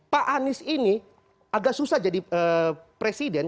pak anies ini agak susah jadi presiden